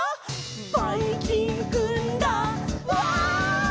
「ばいきんくんだうわァ！」